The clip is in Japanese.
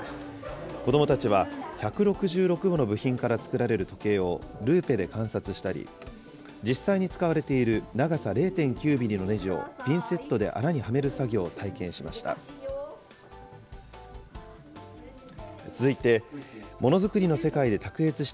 子どもたちは、１６６もの部品から作られる時計をルーペで観察したり、実際に使われている長さ０．９ミリのねじを、ピンセットで穴にはめる作業を体験しました。